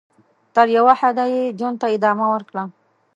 تر یوه حده یې خپل ژوند ته ادامه ورکړه.